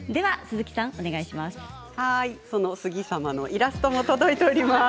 杉様のイラストも届いております。